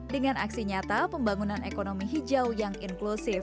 dengan aksi nyata pembangunan ekonomi hijau yang inklusif